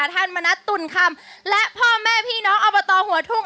ท่านมณตุลคำและพ่อแม่พี่น้องอบตหัวทุ่ง